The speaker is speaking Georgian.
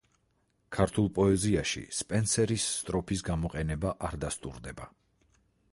ქართულ პოეზიაში სპენსერის სტროფის გამოყენება არ დასტურდება.